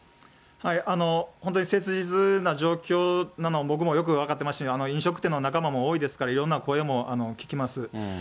本当に切実な状況なのも、僕も分かってまして、飲食店の仲間も多いですから、いろんな声も聞きます。